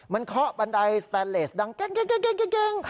มันเคาะบันไดสแตนเลสดังเก้ง